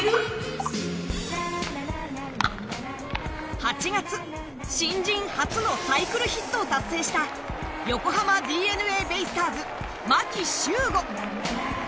８月、新人初のサイクルヒットを達成した横浜ＤｅＮＡベイスターズ・牧秀悟。